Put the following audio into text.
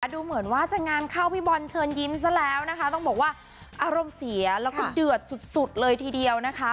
ดูเหมือนว่าจะงานเข้าพี่บอลเชิญยิ้มซะแล้วนะคะต้องบอกว่าอารมณ์เสียแล้วก็เดือดสุดเลยทีเดียวนะคะ